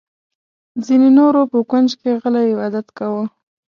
ځینې نورو په کونج کې غلی عبادت کاوه.